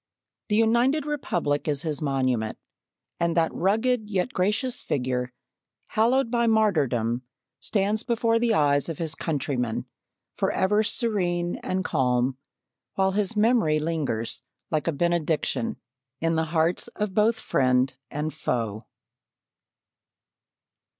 The United Republic is his monument, and that rugged, yet gracious figure, hallowed by martyrdom, stands before the eyes of his countrymen forever serene and calm, while his memory lingers like a benediction in the hearts of both friend and foe.